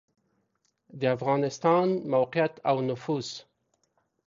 د افغانستان موقعیت او نفوس